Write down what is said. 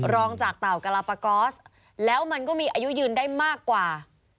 รองจากเต่ากลาปากอสแล้วมันก็มีอายุยืนได้มากกว่า